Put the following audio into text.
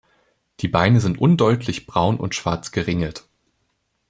Die Beine sind undeutlich braun und schwarz geringelt.